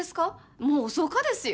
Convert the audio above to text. もう遅かですよ